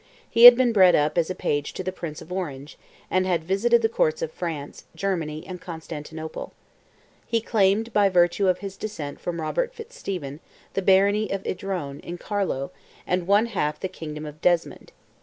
He had been bred up as page to the Prince of Orange, and had visited the Courts of France, Germany, and Constantinople. He claimed, by virtue of his descent from Robert Fitzstephen, the barony of Idrone, in Carlow, and one half the kingdom of Desmond.